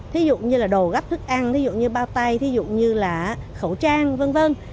thí dụ như là đồ gắp thức ăn ví dụ như bao tay thí dụ như là khẩu trang v v